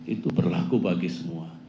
itu berlaku bagi semua